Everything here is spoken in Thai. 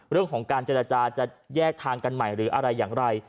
เรื่องของการเจรจาจะแยกทางกันใหม่หรืออะไรอย่างไร